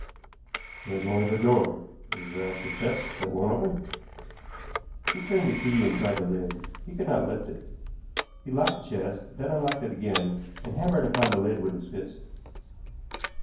"There is only the door. Is that the chest that won't open?" He turned the key and tried the lid. He could not lift it. He locked the chest, then unlocked it again, and hammered upon the lid with his fist.